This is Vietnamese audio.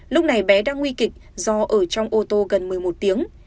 lúc này bé đang nguy kịch do ở trong ô tô gần một mươi một tiếng